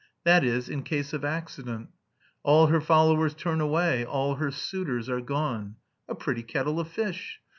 That is, in case of accident. All her followers turn away, all her suitors are gone. A pretty kettle of fish.